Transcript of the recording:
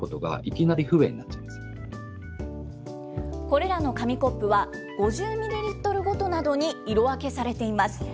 これらの紙コップは、５０ミリリットルごとなどに色分けされています。